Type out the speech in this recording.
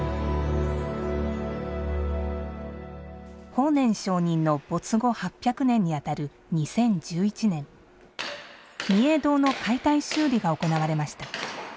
法然上人の没後８００年に当たる２０１１年御影堂の解体修理が行われました。